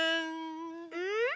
うん？